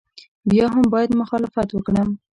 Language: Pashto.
بیا هم باید مخالفت وکړم.